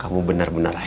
kan kurang menyeramiku